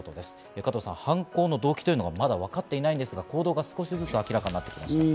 加藤さん、犯行の動機というのが、まだ分かっていないんですが、行動が少しずつ明らかになってきました。